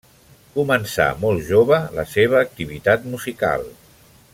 Començà molt jove la seva activitat musical.